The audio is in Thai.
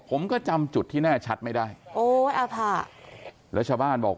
ผมก็จำจุดที่แน่ชัดไม่ได้โอ้ยอภะแล้วชาวบ้านบอก